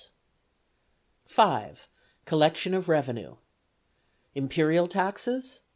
Collection of Revenue: (1) Imperial Taxes